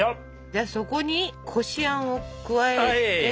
じゃあそこにこしあんを加えて。